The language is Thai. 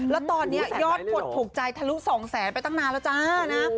แล้วตอนนี้ยอดกดถูกใจทะลุ๒แสนไปตั้งนานแล้วจ้านะ